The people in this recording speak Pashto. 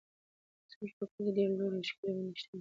زموږ په کلي کې ډېرې لوړې او ښکلې ونې شته دي.